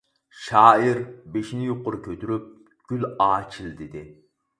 شائىر بېشىنى يۇقىرى كۆتۈرۈپ گۈل ئاچىل، دېدى.